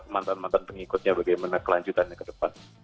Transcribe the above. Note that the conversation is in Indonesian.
mantan mantan pengikutnya bagaimana kelanjutannya ke depan